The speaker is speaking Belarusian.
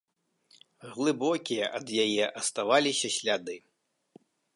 Глыбокія ад яе аставаліся сляды.